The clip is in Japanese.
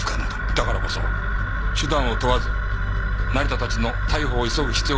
だからこそ手段を問わず成田たちの逮捕を急ぐ必要があるという事ですか？